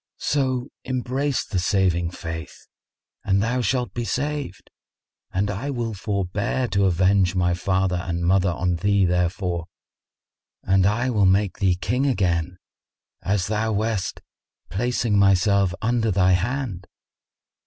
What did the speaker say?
So embrace the Saving Faith and thou shalt be saved, and I will forbear to avenge my father and mother on thee therefor, and I will make thee King again as thou wast, placing myself under thy hand."